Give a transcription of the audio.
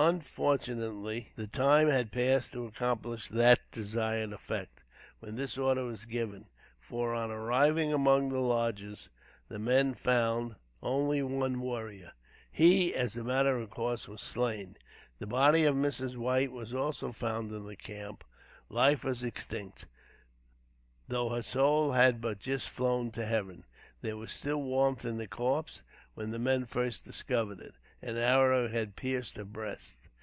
Unfortunately, the time had passed to accomplish the desired effect when this order was given, for, on arriving among the lodges, the men found only one warrior. He, as a matter of course, was slain. The body of Mrs. White was also found in the camp. Life was extinct, though her soul had but just flown to heaven. There was still warmth in the corpse when the men first discovered it. An arrow had pierced her breast.